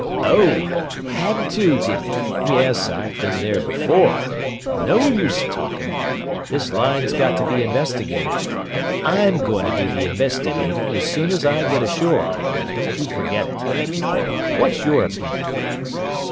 "Oh! had to, did he! Yes I've been there before. No use talking this line's got to be investigated, and I'm going to do the investigating as soon as I get ashore, and don't you forget it! What's your opinion?"